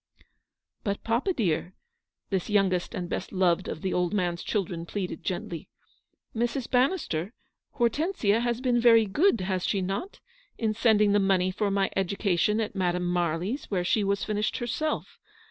" But, papa, dear," this youngest and best loved of the old man's children pleaded gently, " Mrs. Bannister, Hortensia, has been very good — has she not? — in sending the money for my education at Madame Marly's, where she was finished her self.